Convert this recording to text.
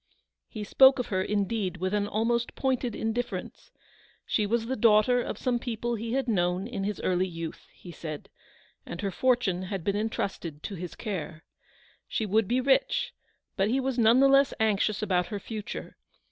He spoke of her, indeed, with an almost pointed indifference. She was the daughter of some people he had known in his early youth, he said, and her fortune had been entrusted to his care. She 273 would be rich, but be was none the less anxious about her future.